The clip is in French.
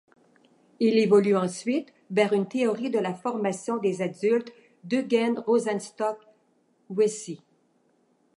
Il évolue ensuite vers une théorie de la formation des adultes d’Eugen Rosenstock-Huessy.